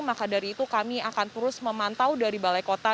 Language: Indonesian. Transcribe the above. maka dari itu kami akan terus memantau dari balai kota